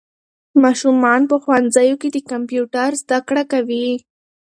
ماشومان په ښوونځیو کې د کمپیوټر زده کړه کوي.